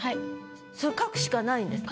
それ書くしかないんです。